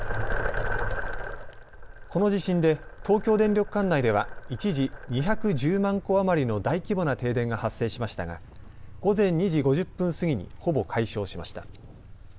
この地震で東京電力管内では一時、２１０万戸余りの大規模な停電が発生しましたが午前２時５０分過ぎにほぼ解消しました。